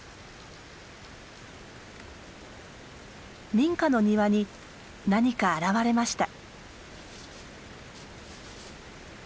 民家の庭に何か現れました。